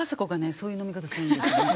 そういう飲み方するんですよね。